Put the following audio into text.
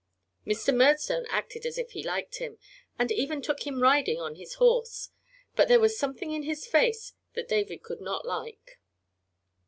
Mr. Murdstone acted as if he liked him, and even took him riding on his horse; but there was something in his face that David could not like.